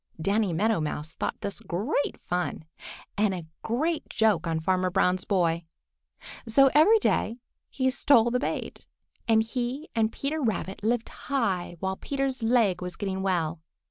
Danny Meadow Mouse thought this great fun and a great joke on Farmer Brown's boy. So every day he stole the bait, and he and Peter Rabbit lived high while Peter's leg was getting well.